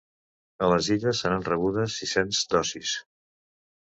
A les Illes se n’han rebudes sis-cents dosis.